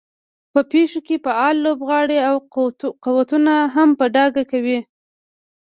په پېښو کې فعال لوبغاړي او قوتونه هم په ډاګه کوي.